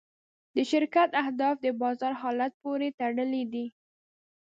د شرکت اهداف د بازار حالت پورې تړلي دي.